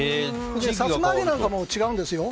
さつま揚げなんかも違うんですよ。